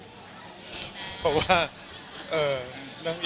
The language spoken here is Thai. เพราะว่าเอ่อ